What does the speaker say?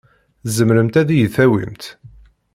Tzemremt ad iyi-tawimt?